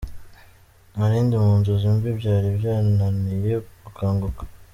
Nari ndi mu nzozi mbi byari byarananiye gukanguka.